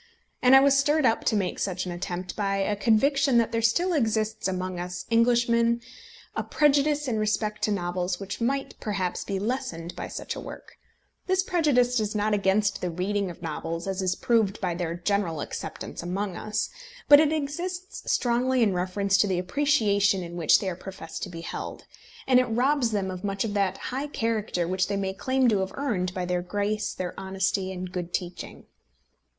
And I was stirred up to make such an attempt by a conviction that there still exists among us Englishmen a prejudice in respect to novels which might, perhaps, be lessened by such a work. This prejudice is not against the reading of novels, as is proved by their general acceptance among us. But it exists strongly in reference to the appreciation in which they are professed to be held; and it robs them of much of that high character which they may claim to have earned by their grace, their honesty, and good teaching.